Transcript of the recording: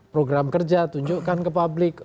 program kerja tunjukkan ke publik